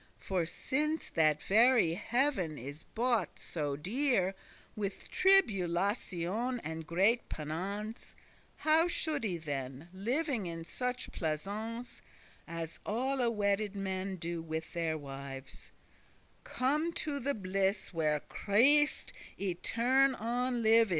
For since that very heav'n is bought so dear, With tribulation and great penance, How should I then, living in such pleasance As alle wedded men do with their wives, Come to the bliss where Christ *etern on live is?